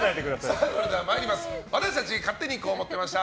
それでは私たち勝手にこう思ってました！